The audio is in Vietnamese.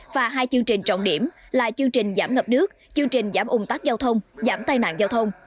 và hai chương trình trọng điểm là chương trình giảm ngập nước chương trình giảm ung tắc giao thông giảm tai nạn giao thông